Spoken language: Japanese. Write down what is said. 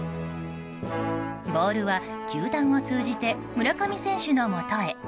ボールは、球団を通じて村上選手のもとへ。